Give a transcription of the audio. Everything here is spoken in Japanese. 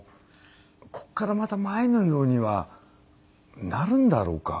ここからまた前のようにはなるんだろうか？